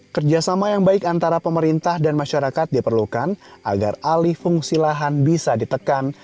kerjasama yang baik antara pemerintah dan masyarakat diperlukan agar alih fungsi lahan bisa ditekan